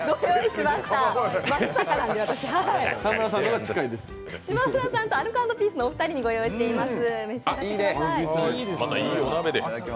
島村さんとアルコ＆ピースのお二人に用意しています。